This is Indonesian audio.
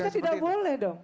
seharusnya tidak boleh dong